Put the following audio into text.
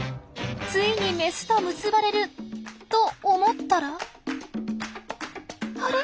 ついにメスと結ばれると思ったらあれ？